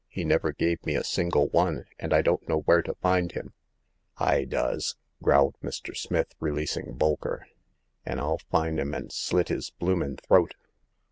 He never gave me a single one ; and I don't know where to find him." I does," growled Mr. Smith, releasing Bol ker, an' I'll fin' *im and slit his bloomin' throat.